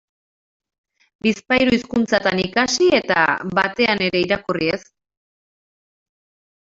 Bizpahiru hizkuntzatan ikasi eta batean ere irakurri ez.